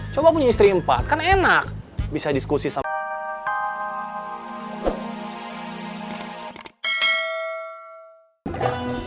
coba punya istri empat kan enak bisa diskusi sama